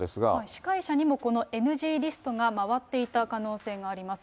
司会者にもこのＮＧリストが回っていた可能性があります。